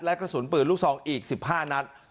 และกระสุนปืนลูกซองอีก๑๕นัด